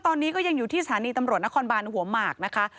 ตอนนี้ก็ยังอยู่ที่สถานีตำรวจนครบานหัวหมากนะคะ